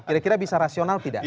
kira kira bisa rasional tidak